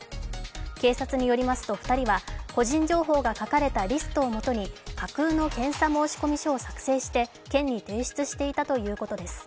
警察によりますと２人は個人情報が書かれたリストをもとに架空の検査申込書を作成して作成して、県に提出していたということです。